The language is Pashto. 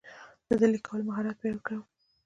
زه د لیک کولو مهارت پیاوړی کوم.